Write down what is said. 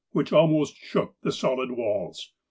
" which almost shook the solid walls.